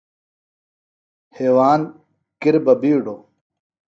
ہیواند کِر بہ بِیڈوۡ